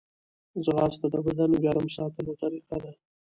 ځغاسته د بدن ګرم ساتلو طریقه ده